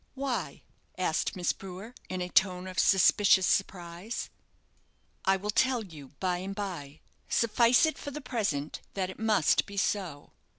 "Why?" asked Miss Brewer, in a tone of suspicious surprise. "I will tell you, by and by. Suffice it for the present that it must be so.